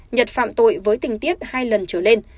nhật phạm tội với tình tiết hai lần trở lên